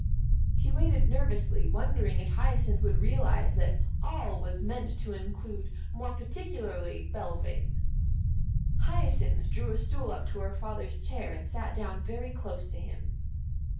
He waited nervously, wondering if Hyacinth would realise that "all" was meant to include more particularly Belvane. Hyacinth drew a stool up to her father's chair and sat down very close to him.